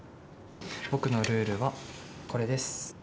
僕のルールはこれです。